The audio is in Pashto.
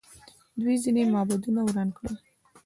دوی ځینې معبدونه وران کړل